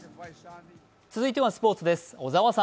続いてはスポーツです。